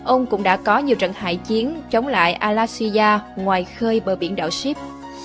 ông cũng đã có nhiều trận hại chiến chống lại al asiyah ngoài khơi bờ biển đảo ship